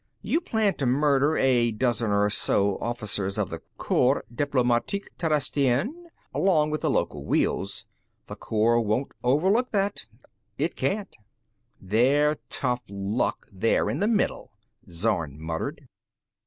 You plan to murder a dozen or so officers of the Corps Diplomatique Terrestrienne along with the local wheels. The corps won't overlook that. It can't." "Their tough luck they're in the middle," Zorn muttered.